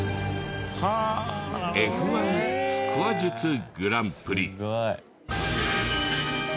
Ｆ−１腹話術グランプリ。